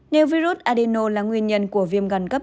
nếu virus adeino là nguyên nhân của viêm gan cấp